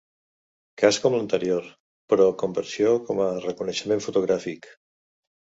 Cas com l'anterior, pro conversió com a reconeixement fotogràfic.